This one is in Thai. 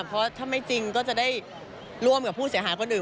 เพราะถ้าไม่จริงก็จะได้ร่วมกับผู้เสียหายคนอื่น